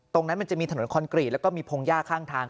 ตรงนั้นมันจะมีถนนคอนกรีตแล้วก็มีพงศ์ย่าข้างทาง